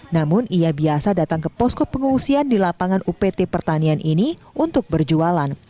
namun ia biasa datang ke posko pengungsian di lapangan upt pertanian ini untuk berjualan